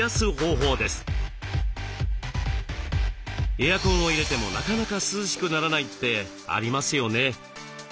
エアコンを入れてもなかなか涼しくならないってありますよね。